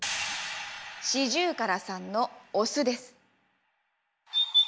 シジュウカラさんのオスです。